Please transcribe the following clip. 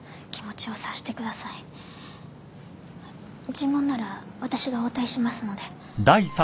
尋問なら私が応対しますので。